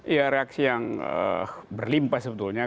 ya reaksi yang berlimpah sebetulnya